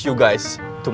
untuk tips gue